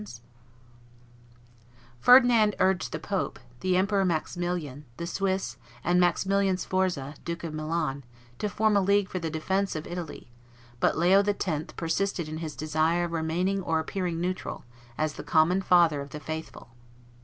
[Illustration: Cardinal Ximenes 14] Ferdinand urged the pope, the Emperor Maximilian, the Swiss, and Maximilian Sforza, Duke of Milan, to form a league for the defence of Italy; but Leo X. persisted in his desire of remaining or appearing neutral, as the common father of the faithful.